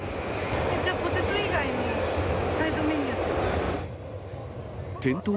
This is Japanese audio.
じゃあポテト以外に、サイドメニュー。